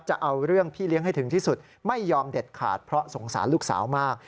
จะเอาเรื่องพี่เลี้ยงให้ถึงที่สุดไม่ยอมเด็ดขาดเพราะสงสารลูกสาวมาก